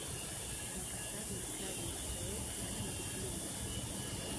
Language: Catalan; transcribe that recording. Demà passat na Clàudia i na Cloè iran a visitar mon oncle.